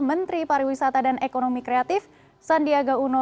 menteri pariwisata dan ekonomi kreatif sandiaga uno